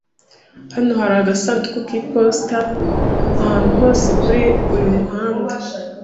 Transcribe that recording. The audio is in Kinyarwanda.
Hano hari agasanduku k'iposita ahantu hose kuri uyu muhanda.